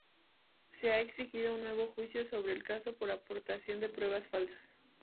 Se ha exigido un nuevo juicio sobre el caso por aportación de pruebas falsas.